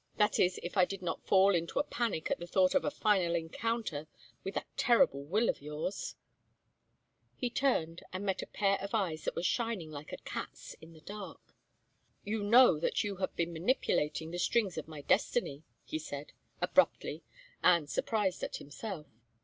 That is if I did not fall into a panic at the thought of a final encounter with that terrible will of yours." He turned and met a pair of eyes that were shining like a cat's in the dark. "You know that you have been manipulating the strings of my destiny!" he said, abruptly, and surprised at himself.